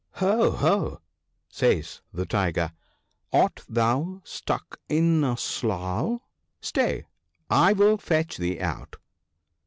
" Ho ! ho !" says the Tiger, " art thou stuck in a slough ? stay, I will fetch thee out